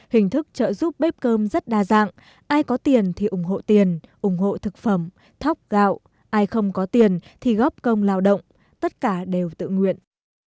hình thức trợ giúp bếp cơm rất đa dạng ai có tiền thì ủng hộ tiền ủng hộ thực phẩm thóc gạo ai không có tiền thì góp công lao động tất cả đều tự nguyện